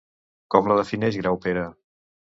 Com la defineix Graupera?